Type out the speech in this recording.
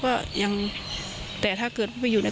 โทรไปถามว่าแม่ช่วยด้วยถูกจับ